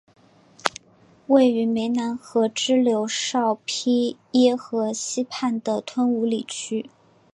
位于湄南河支流昭披耶河西畔的吞武里区。